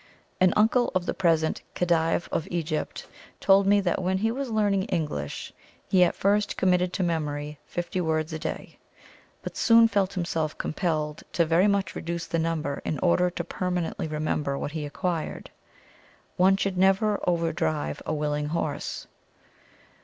An uncle of the present Khedive of Egypt told me that when he was learning English, he at first committed to memory fifty words a day, but soon felt himself compelled to very much reduce the number in order to permanently remember what he acquired. One should never overdrive a willing horse.